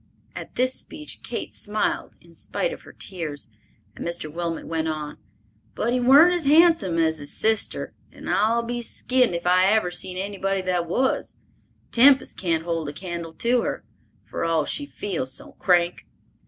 At this speech Kate smiled in spite of her tears, and Mr. Middleton went on: "But he warn't as handsome as his sister, and I'll be skinned if I ever seen anybody that was. Tempest can't hold a candle to her, for all she feels so crank.